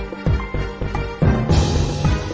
กินโทษส่องแล้วอย่างนี้ก็ได้